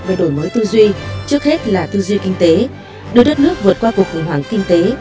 về đổi mới tư duy trước hết là tư duy kinh tế đưa đất nước vượt qua cuộc khủng hoảng kinh tế